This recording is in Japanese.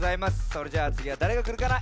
それじゃつぎはだれがくるかな？